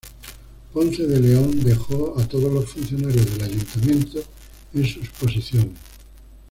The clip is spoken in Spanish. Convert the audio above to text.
Ponce de León dejó a todos los funcionarios del ayuntamiento en sus posiciones.